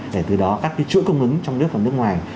để từ đó các chuỗi cung ứng trong nước và nước ngoài